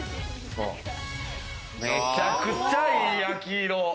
めちゃくちゃいい焼き色！